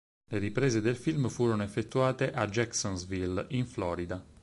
Le riprese del film furono effettuate a Jacksonville, in Florida.